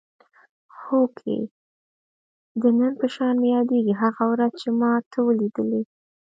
هوکې د نن په شان مې یادېږي هغه ورځ چې ما ته ولیدلې.